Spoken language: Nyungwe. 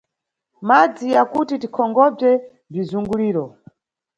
Madzi ya kuti tikonkhobze bzizunguliro.